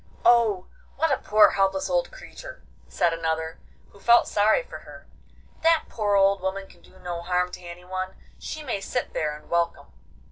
'Oh! what a poor helpless old creature!' said another, who felt sorry for her. 'That poor old woman can do no harm to anyone. She may sit there and welcome.